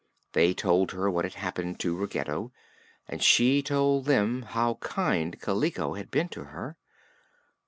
They told her what had happened to Ruggedo and she told them how kind Kaliko had been to her.